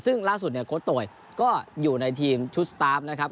ซึ่งล่าสุดเนี่ยโค้ดโตยก็อยู่ในทีมชุดสตาร์ฟนะครับ